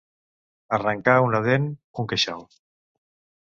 Arrencar una dent, un queixal.